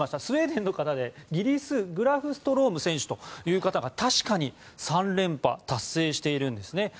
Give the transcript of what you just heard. スウェーデンの方でギリス・グラフストローム選手という方が、確かに３連覇を達成しているんですね。